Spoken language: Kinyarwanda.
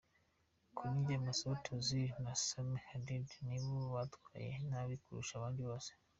Kuri njye Mesut Ozil na Sami Khedira nibo bitwaye nabi kurusha abandi bose.